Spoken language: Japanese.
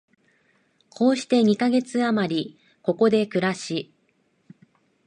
こうして二カ月あまり、ここで暮らし、